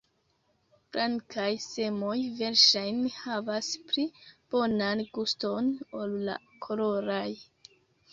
Blankaj semoj verŝajne havas pli bonan guston ol la koloraj.